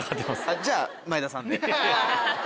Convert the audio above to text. じゃあ前田さんで。